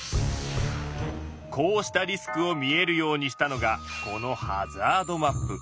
こうしたリスクを見えるようにしたのがこの「ハザードマップ」。